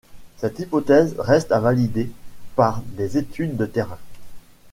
Cette hypothèse reste à valider par des études de terrain.